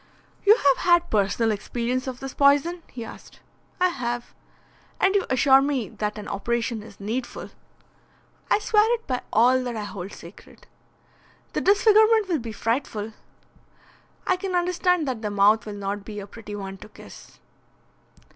"You have had personal experience of this poison?" he asked. "I have." "And you assure me that an operation is needful." "I swear it by all that I hold sacred." "The disfigurement will be frightful." "I can understand that the mouth will not be a pretty one to kiss."